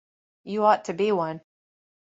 You ought to be one.